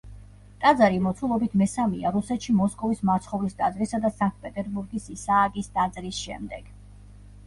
ტაძარი მოცულობით მესამეა რუსეთში მოსკოვის მაცხოვრის ტაძრისა და სანქტ-პეტერბურგის ისააკის ტაძრის შემდეგ.